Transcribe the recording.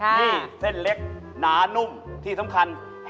นี่เส้นเล็กหนานุ่มที่สำคัญฝีจะถูกออก